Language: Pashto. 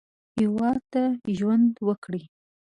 هېواد ته ژوند وکړئ